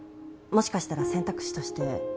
もしかしたら選択肢として